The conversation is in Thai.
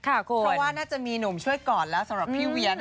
เพราะว่าน่าจะมีหนุ่มช่วยก่อนแล้วสำหรับพี่เวียน